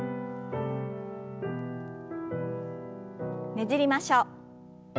ねじりましょう。